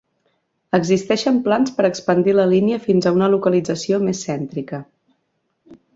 Existeixen plans per expandir la línia fins a una localització més cèntrica.